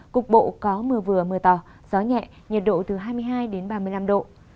cục bộ có mưa vừa mưa to gió nhẹ nhiệt độ từ hai mươi hai đến ba mươi năm độ